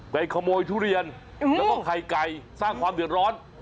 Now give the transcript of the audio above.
ขโมยทุเรียนแล้วก็ไข่ไก่สร้างความเดือดร้อน